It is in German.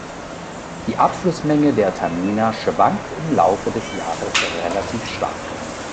Die Abflussmenge der Tamina schwankt im Laufe des Jahres relativ stark.